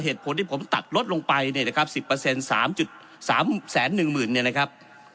เหตุผลที่ผมตัดลดลงไปเนี่ยนะครับ๑๐๓๓๑๐๐๐เนี่ยนะครับ